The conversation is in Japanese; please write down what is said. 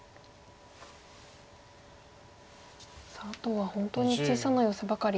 さああとは本当に小さなヨセばかりですかね。